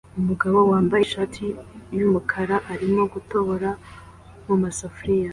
Umugabo wambaye ishati yumukara arimo gutobora mumasafuriya